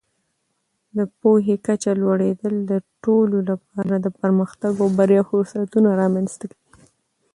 د پوهې کچه لوړېدل د ټولو لپاره د پرمختګ او بریا فرصتونه رامینځته کوي.